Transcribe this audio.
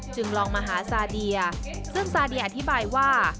ลองมาหาซาเดียซึ่งซาเดียอธิบายว่า